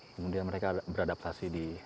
kemudian mereka beradaptasi di